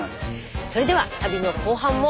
それでは旅の後半も。